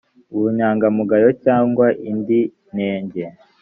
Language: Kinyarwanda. ubunyangamugayo cyangwa indi nenge